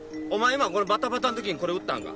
今このバタバタの時にこれ打ったんか？